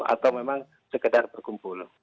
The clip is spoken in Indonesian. atau memang sekedar berkumpul